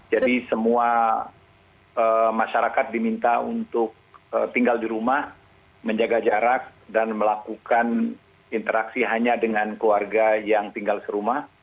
jadi semua masyarakat diminta untuk tinggal di rumah menjaga jarak dan melakukan interaksi hanya dengan keluarga yang tinggal di rumah